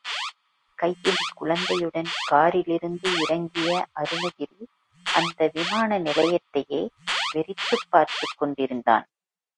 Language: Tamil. கையில் குழந்தையுடன் காரிலிருந்து இறங்கிய அருணகிரி, அந்த விமான நிலையத்தையே வெறித்துப் பார்த்துக் கொண்டிருந்தான்.